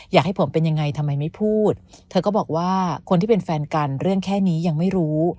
อยากให้ผมเป็นยังไงทำไมไม่พูดเธอก็บอกว่าคนที่เป็นแฟนกันเรื่องแค่นี้ยังไม่รู้